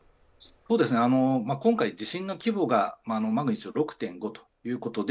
今回、地震の規模がマグニチュードは６．５ということで